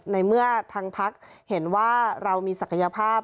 ในเมื่อทางพักเห็นว่าเรามีศักยภาพ